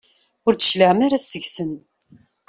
Ur d-tecliɛem ara seg-sen.